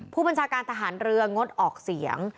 ผู้บัญชาการทหารเรืองดออกเสียง